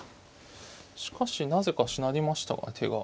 しかしなぜかしなりましたが手が。